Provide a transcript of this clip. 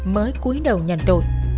mới cuối đầu nhận tội